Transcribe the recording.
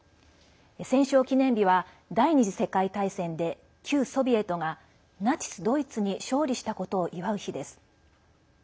戦勝記念日は第２次世界大戦で旧ソビエトがナチス・ドイツに勝利したことを祝う日です。